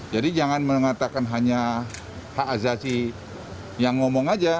jadi jangan mengatakan hanya hak azaci yang ngomong aja